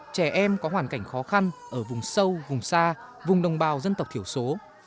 trẻ em có hoàn cảnh khó khăn ở vùng sâu vùng xa vùng đồng bào dân tộc thiểu số